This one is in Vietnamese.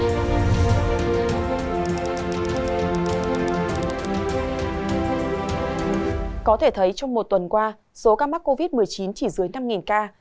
có thể thấy trong một tuần qua số ca mắc covid một mươi chín chỉ dưới năm ca